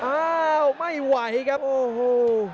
อ้าวไม่ไหวครับโอ้โห